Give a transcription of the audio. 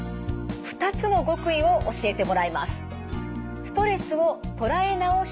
２つの極意を教えてもらいます。